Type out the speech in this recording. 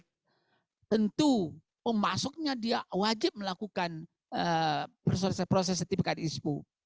tentu pemasuknya dia wajib melakukan proses proses sertifikat ispu